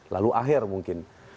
lalu akhir mungkin